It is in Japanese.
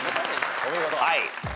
お見事。